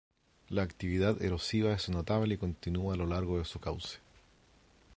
La actividad erosiva es notable y continua a lo largo de su cauce.